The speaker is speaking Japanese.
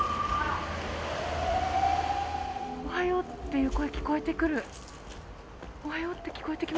「おはよう」って声、聞こえてくる！